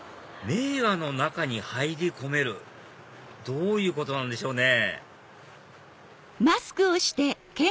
名画の中に入り込めるどういうことなんでしょうね